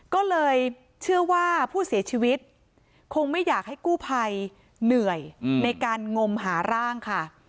ก็เลยเชื่อว่าผู้เสียชีวิตคงไม่อยากให้กู้ภัยเหนื่อยในการงมหาร่างค่ะ